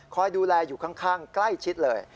ดูแลอยู่ข้างใกล้ชิดเลย